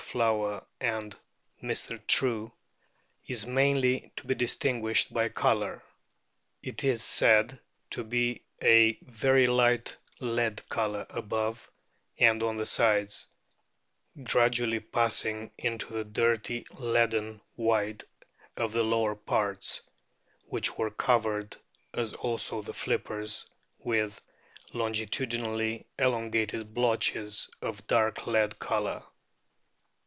Flower and Mr. True, is mainly to be distinguished by colour ; it is said to be "a very light lead colour above and on the sides, gradually passing into the dirty leaden white of the lower parts, which were covered, as also the flippers, with longitudinally elongated blotches of dark lead colour."